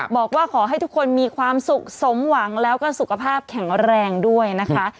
บอกว่าขอให้ทุกคนมีความสุขสมหวังแล้วก็สุขภาพแข็งแรงด้วยนะคะ